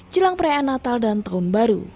jelang perayaan natal dan tahun baru